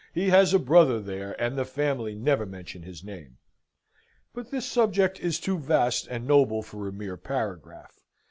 He has a brother there, and the family never mention his name." But this subject is too vast and noble for a mere paragraph.